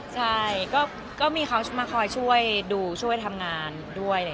ใช่ก็มีเขามาคอยช่วยดูช่วยทำงานด้วย